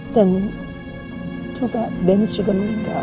dan coba dennis juga meninggal